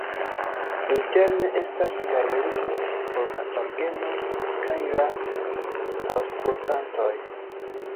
Interne estas galerio por la orgeno kaj la aŭskultantoj.